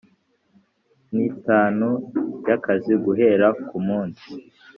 n itanu y akazi guhera ku munsi